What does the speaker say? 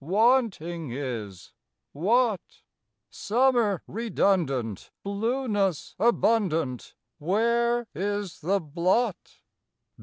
Wanting is what? Summer redundant, Blueness abundant, Where is the blot?